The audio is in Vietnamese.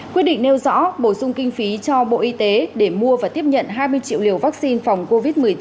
quyết định nêu rõ bổ sung kinh phí cho bộ y tế để mua và tiếp nhận hai mươi triệu liều vaccine phòng covid một mươi chín